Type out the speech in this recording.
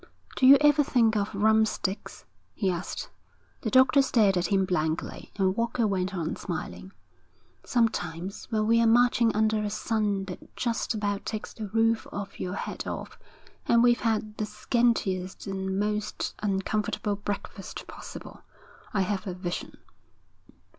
'Do you ever think of rumpsteaks?' he asked. The doctor stared at him blankly, and Walker went on, smiling. 'Sometimes, when we're marching under a sun that just about takes the roof of your head off, and we've had the scantiest and most uncomfortable breakfast possible, I have a vision.'